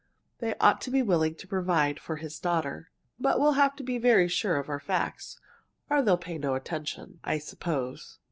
They ought to be willing to provide for his daughter. But we'll have to be very sure of our facts, or they'll pay no attention, I suppose.